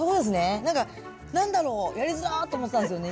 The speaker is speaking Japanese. なんか何だろうやりづらっと思ってたんですよね。